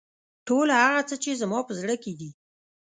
ټول هغه څه چې زما په زړه کې دي.